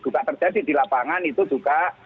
juga terjadi di lapangan itu juga